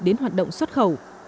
đến hoạt động xuất khẩu